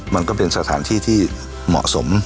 มันก็เป็นสถานที่ที่เหมาะสม